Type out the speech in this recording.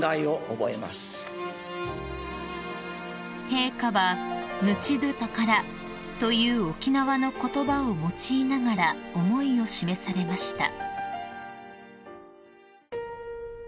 ［陛下は「ぬちどぅたから」という沖縄の言葉を用いながら思いを示されました］